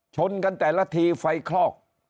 ชนกันแต่ละทีไฟคลอก